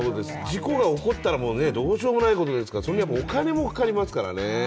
事故が起こったら、もうどうしようもないことですから、それにはお金もかかりますからね。